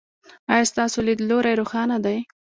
ایا ستاسو لید لوری روښانه دی؟